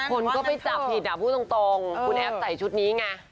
คนก็ไปจับผิดพูดตรงคุณแอฟใส่ชุดนี้ไง